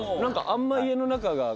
あんまり家の中が。